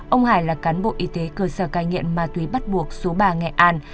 ông hải là cán bộ y tế cơ sở cai nghiện ma túy bắt buộc số ba nghệ an